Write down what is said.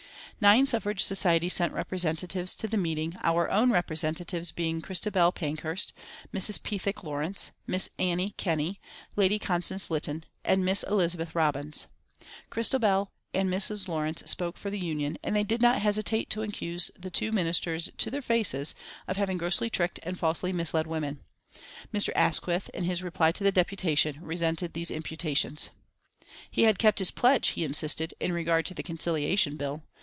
Nine suffrage societies sent representatives to the meeting, our own representatives being Christabel Pankhurst, Mrs. Pethick Lawrence, Miss Annie Kenney, Lady Constance Lytton and Miss Elizabeth Robins. Christabel and Mrs. Lawrence spoke for the Union, and they did not hesitate to accuse the two Ministers to their faces of having grossly tricked and falsely misled women. Mr. Asquith, in his reply to the deputation, resented these imputations. He had kept his pledge, he insisted, in regard to the Conciliation Bill.